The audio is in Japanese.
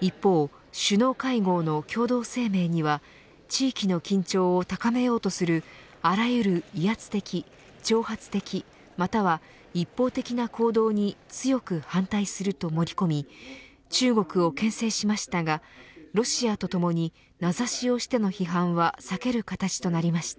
一方、首脳会合の共同声明には地域の緊張を高めようとするあらゆる威圧的、挑発的または一方的な行動に強く反対すると盛り込み中国をけん制しましたがロシアとともに名指しをしての批判は避ける形となりました。